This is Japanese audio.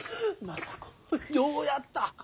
政子ようやった。